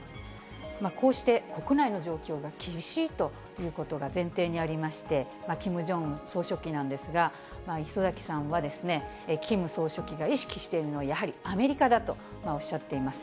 こうして国内の状況が厳しいということが前提にありまして、キム・ジョンウン総書記なんですが、礒崎さんは、キム総書記が意識しているのは、やはりアメリカだとおっしゃっています。